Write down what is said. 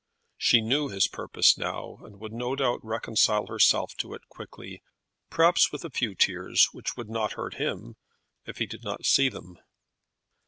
She knew his purpose now, and would no doubt reconcile herself to it quickly; perhaps with a few tears, which would not hurt him if he did not see them.